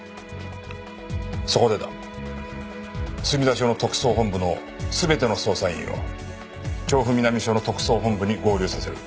そこでだ墨田署の特捜本部の全ての捜査員を調布南署の特捜本部に合流させる。